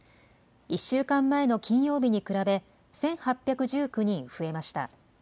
１週間前の金曜日に比べ１８１９人増えました。